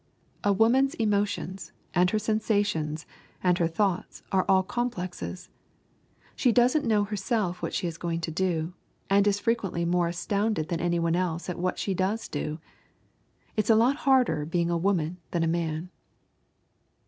A woman's emotions and her sensations and her thoughts are all complexes. She doesn't know herself what she is going to do, and is frequently more astounded than anyone else at what she does do. It's a lot harder being a woman than a man.